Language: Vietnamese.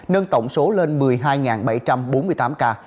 nâng tổng số lên một mươi hai bảy trăm bốn mươi tám ca